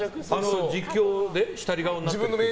状況で、したり顔になって？